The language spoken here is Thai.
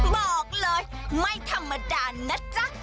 บอกเลยไม่ธรรมดานะจ๊ะ